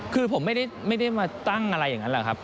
คือผมไม่ได้มาตั้งอะไรอย่างนั้นแหละครับ